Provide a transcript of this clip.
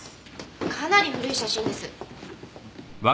かなり古い写真です。